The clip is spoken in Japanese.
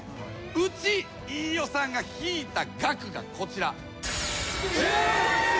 うち飯尾さんが引いた額がこちら。